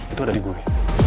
itu ada di gue